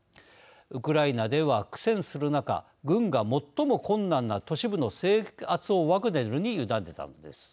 ウクライナでは、苦戦する中軍が最も困難な都市部の制圧をワグネルに委ねたのです。